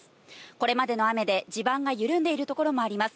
これまでの雨で地盤が緩んでいる所もあります。